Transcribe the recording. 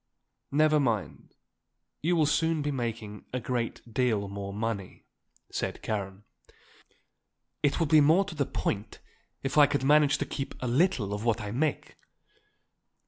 "Never mind, you will soon be making a great deal more money," said Karen. "It would be more to the point if I could manage to keep a little of what I make.